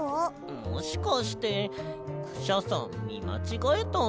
もしかしてクシャさんみまちがえたんじゃ。